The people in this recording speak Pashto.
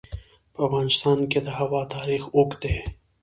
په افغانستان کې د هوا تاریخ اوږد دی.